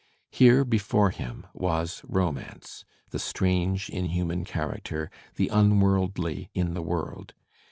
Here before him was romance, the strange in human character, the unworldly in the world.